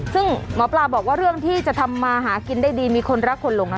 ซึ่งหมอปลาบอกว่าเรื่องที่จะทำมาหากินได้ดีมีคนรักคนหลง